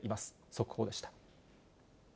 速報でした。